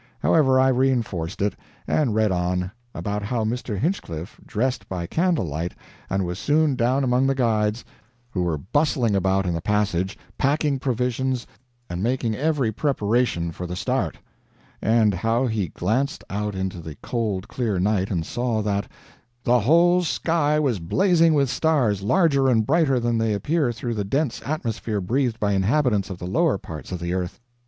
However, I reinforced it, and read on, about how Mr. Hinchliff dressed by candle light and was "soon down among the guides, who were bustling about in the passage, packing provisions, and making every preparation for the start"; and how he glanced out into the cold clear night and saw that "The whole sky was blazing with stars, larger and brighter than they appear through the dense atmosphere breathed by inhabitants of the lower parts of the earth.